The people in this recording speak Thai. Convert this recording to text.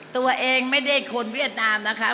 ตัวเองไม่ได้คนเวียดนามนะคะ